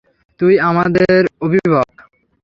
তুই আমাদের অভিবাক।